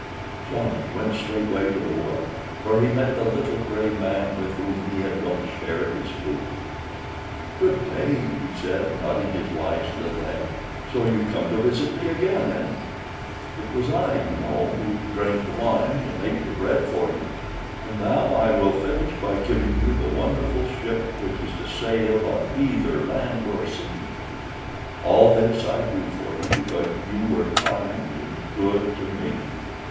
Johnny went straightway to the wood, where he met the little gray man with whom he had once shared his food. "Good day," he said, nodding his wise little head. "So you've come to visit me again, eh? It was I, you know, who drank the wine and ate the bread for you, and now I will finish by giving you the wonderful ship which is to sail on either land or sea. All this I do for you because you were kind and good to me."